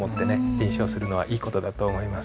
臨書をするのはいい事だと思います。